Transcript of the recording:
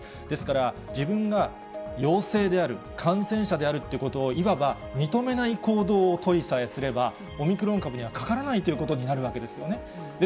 ですから、自分が陽性である、感染者であるということをいわば認めない行動を取りさえすれば、オミクロン株にはかからないということになるわけですよね。